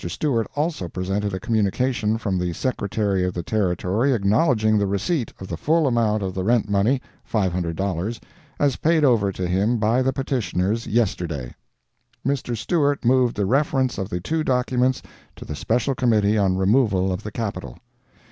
Stewart also presented a communication from the Secretary of the Territory acknowledging the receipt of the full amount of the rent money ($500) as paid over to him by the petitioners yesterday. Mr. Stewart moved the reference of the two documents to the Special Committee on removal of the Capital.